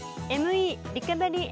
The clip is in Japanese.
ＭＥリカバリー